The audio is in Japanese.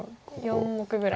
４目ぐらい。